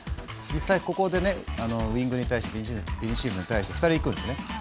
実際ここでウイングに対してビニシウスに対して２人いくんです。